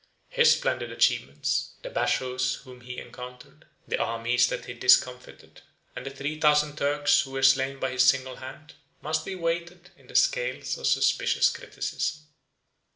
His splendid achievements, the bashaws whom he encountered, the armies that he discomfited, and the three thousand Turks who were slain by his single hand, must be weighed in the scales of suspicious criticism.